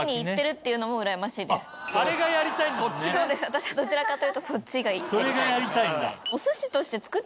私はどちらかというとそっちがやりたい。